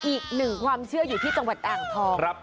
อีกหนึ่งความเชื่ออยู่ที่จังหวัดอ่างทอง